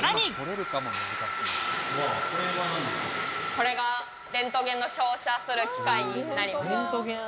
これはレントゲンの照射する機械になります。